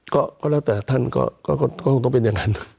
ก็แล้วแต่ท่านก็คงต้องเป็นอย่างนั้น